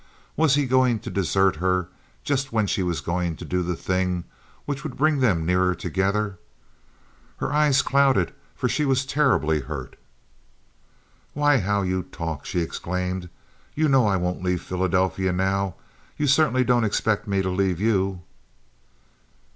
Was he going to desert her just when she was going to do the thing which would bring them nearer together? Her eyes clouded, for she was terribly hurt. "Why, how you talk!" she exclaimed. "You know I won't leave Philadelphia now. You certainly don't expect me to leave you."